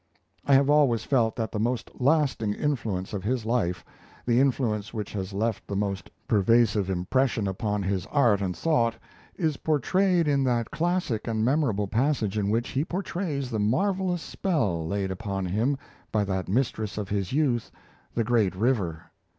I have always felt that the most lasting influence of his life the influence which has left the most pervasive impression upon his art and thought is portrayed in that classic and memorable passage in which he portrays the marvellous spell laid upon him by that mistress of his youth, the great river.